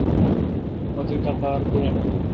مہ تی ٹقار دوں۔